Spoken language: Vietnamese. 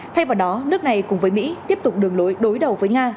thay vào đó nước này cùng với mỹ tiếp tục đường lối đối đầu với nga